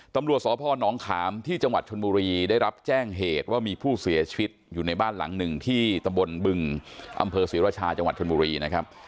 ตำรวจสพนขามที่จังหวัดชนบุรีได้รับแจ้งเหตุว่ามีผู้เสียชีวิตอยู่ในบ้านหลังหนึ่งที่ตำบลบึงอำเภอศรีราชาจังหวัดชนบุรีนะครับ